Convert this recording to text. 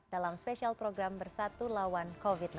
dalam spesial program bersatu lawan covid sembilan belas